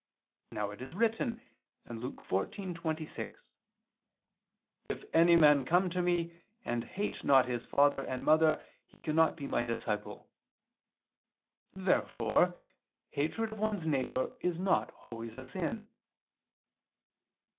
Now, it is written (Luke 14:26): "If any man come to Me, and hate not his father and mother ... he cannot be My disciple." Therefore hatred of one's neighbor is not always a sin.